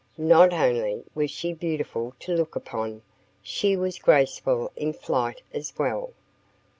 Not only was she beautiful to look upon. She was graceful in flight as well.